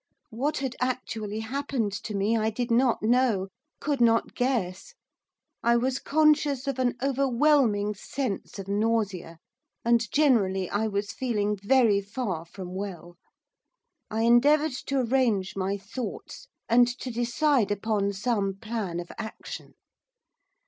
What had actually happened to me I did not know, could not guess. I was conscious of an overwhelming sense of nausea, and, generally, I was feeling very far from well. I endeavoured to arrange my thoughts, and to decide upon some plan of action.